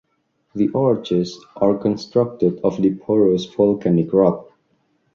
The arches are constructed of the porous volcanic rock.